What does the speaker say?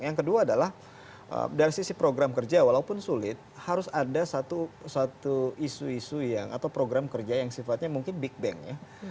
yang kedua adalah dari sisi program kerja walaupun sulit harus ada satu isu isu yang atau program kerja yang sifatnya mungkin big bank ya